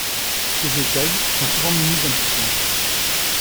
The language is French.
Ses écailles sont souvent munies d'un piquant.